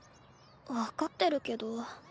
分かってるけど。